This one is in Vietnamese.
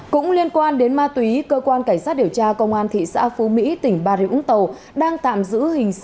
cũng liên quan đến ma túy cơ quan cảnh sát điều tra công an thị xã phú mỹ tỉnh bà rịu úng tàu